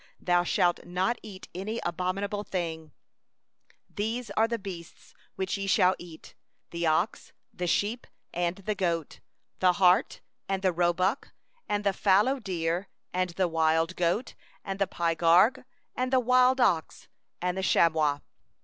3Thou shalt not eat any abominable thing. 4These are the beasts which ye may eat: the ox, the sheep, and the goat, 5the hart, and the gazelle, and the roebuck, and the wild goat, and the pygarg, and the antelope, and the mountain sheep.